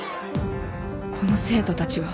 この生徒たちは